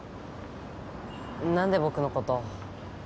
何で僕のことを